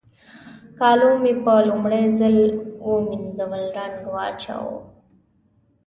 کالو مې په لومړي ځل مينځول رنګ واچاوو.